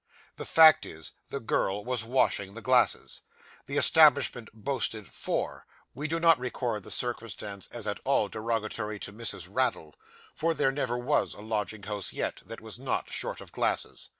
The fact is, the girl was washing the glasses. The establishment boasted four: we do not record the circumstance as at all derogatory to Mrs. Raddle, for there never was a lodging house yet, that was not short of glasses.